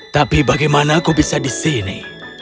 tapi bagaimana kau bisa di sini